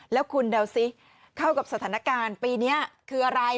แล้วคุณเดาซิเข้ากับสถานการณ์ปีนี้คืออะไร